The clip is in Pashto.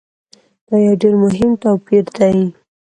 دا یو ډېر مهم توپیر دی.